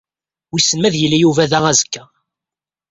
Wissen ma ad yili Yuba da azekka.